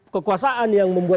kekuasaan yang membuat